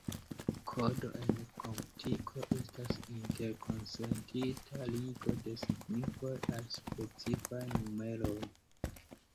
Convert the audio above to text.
Kodo en komputiko estas interkonsentita ligo de signifoj al specifaj numeroj.